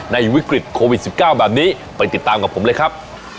วิกฤตโควิด๑๙แบบนี้ไปติดตามกับผมเลยครับ